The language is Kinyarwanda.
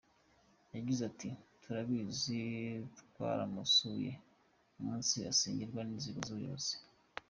Yagize ati “Turabizi twaramusuye n’umunsi asenyerwa n’inzego z’ubuyobozi.